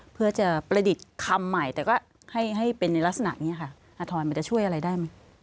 เพื่อจะประดิษฐ์คำใหม่แต่ก็ให้เป็นในลักษณะนี้ค่ะอาทรมันจะช่วยอะไรได้ไหม